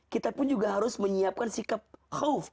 kita pun juga harus menyiapkan sikap holf